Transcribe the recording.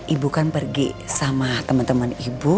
ibu kan pergi sama temen temen ibu